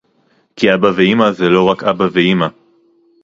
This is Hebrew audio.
כי אבא ואמא זה לא רק אבא ואמא